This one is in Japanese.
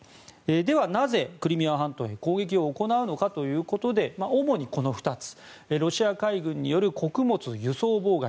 では、なぜクリミア半島へ攻撃を行うのかということで主にこの２つロシア海軍による穀物輸送妨害。